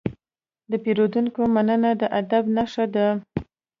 د پیرودونکي مننه د ادب نښه ده.